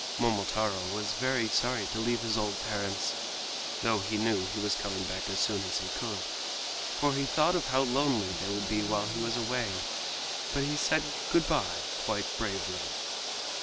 Momotaro was very sorry to leave his old parents (though he knew he was coming back as soon as he could), for he thought of how lonely they would be while he was away. But he said "Good by!" quite bravely.